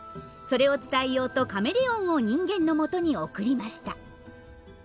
それを伝えようとカメレオンを人間のもとに送りました。